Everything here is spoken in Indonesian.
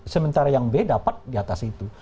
sementara yang b dapat di atas itu